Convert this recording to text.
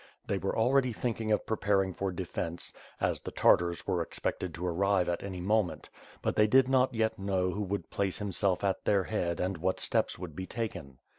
They were already thinking of preparing for defence, as the Tartars were expected to arrive «t; any moment; but they did not yet know who would place himself at their head and what steps would be taken.